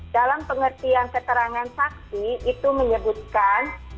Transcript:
dalam pengertian keterangan saksi itu menyebutkan